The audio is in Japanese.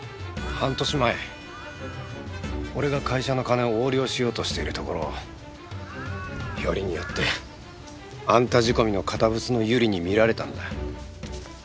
半年前俺が会社の金を横領しようとしているところをよりによってあんた仕込みの堅物の百合に見られたんだ。